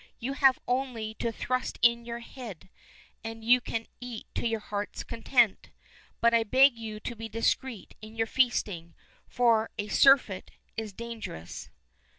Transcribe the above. You have only to thrust in your head, and you can eat to your heart's content. But I beg you to be discreet in your feasting, for a surfeit is dangerous."